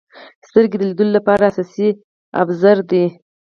• سترګې د لیدلو لپاره اساسي ابزار دي.